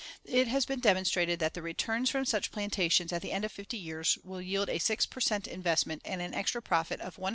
It has been demonstrated that the returns from such plantations at the end of fifty years will yield a six per cent investment and an extra profit of $151.